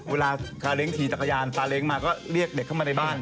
เวลาซาเล้งขี่จักรยานซาเล้งมาก็เรียกเด็กเข้ามาในบ้าน